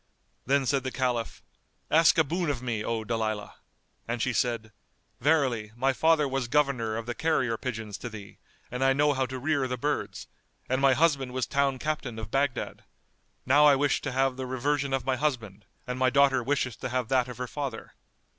Then said the Caliph, "Ask a boon of me, O Dalilah!"; and she said, "Verily, my father was governor of the carrier pigeons to thee and I know how to rear the birds; and my husband was town captain of Baghdad. Now I wish to have the reversion of my husband and my daughter wisheth to have that of her father."